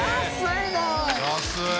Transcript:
安い！